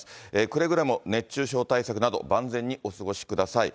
くれぐれも熱中症対策など、万全にお過ごしください。